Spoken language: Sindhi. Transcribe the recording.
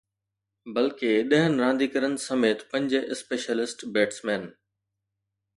بلڪه ڏهن رانديگرن سميت پنج اسپيشلسٽ بيٽسمين